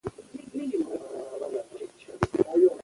په افغانستان کې انګور د خلکو پر ژوند تاثیر کوي.